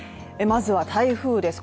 まずは台風です